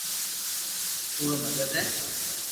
ڪوڙو ڀگت ھي